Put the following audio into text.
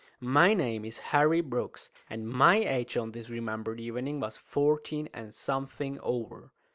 My name is Harry Brooks, and my age on this remembered evening was fourteen and something over.